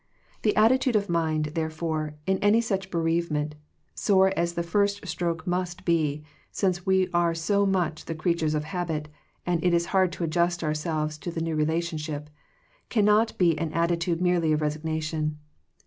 The attitude of mind, therefore, in any such bereavement — sore as the first stroke must be, since we are so much the crea tures of habit, and it is hard to adjust ourselves to the new relationship— can not be an attitude merely of resignation.